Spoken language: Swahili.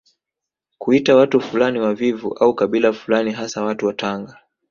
Kuita watu fulani wavivu au kabila fulani hasa watu wa Tanga